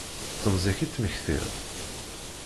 D temẓi-k i d-temmektiḍ?